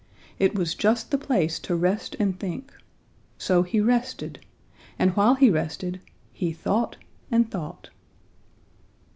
It was just the place to rest and think. So he rested, and while he rested, he thought and thought.